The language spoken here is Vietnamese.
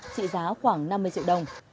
trị giá khoảng năm mươi triệu đồng